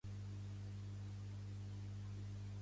Limita al nord amb les ciutats de Stockbridge i West Stockbridge.